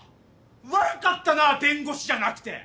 悪かったな弁護士じゃなくて！